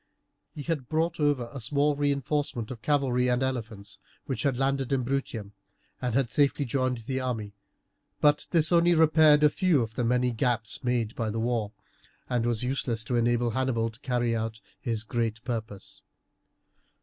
He had brought over a small reinforcement of cavalry and elephants, which had landed in Bruttium and had safely joined the army; but this only repaired a few of the many gaps made by the war, and was useless to enable Hannibal to carry out his great purpose.